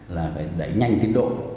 là phải đẩy nhanh tiến độ